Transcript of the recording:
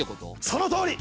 そのとおり！